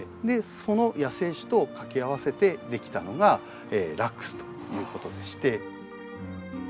その野生種と掛け合わせてできたのがラックスということでして。